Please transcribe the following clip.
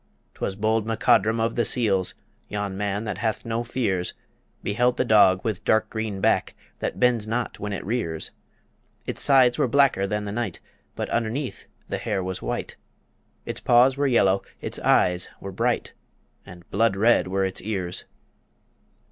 'Twas bold MacCodrum of the Seals Yon man that hath no fears Beheld the dog with dark green back That bends not when it rears; Its sides were blacker than the night, But underneath the hair was white; Its paws were yellow, its eyes were bright, And blood red were its ears.